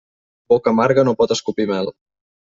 Boca amarga no pot escopir mel.